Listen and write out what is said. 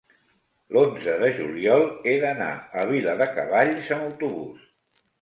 l'onze de juliol he d'anar a Viladecavalls amb autobús.